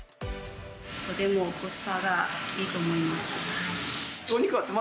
とてもコスパがいいと思いま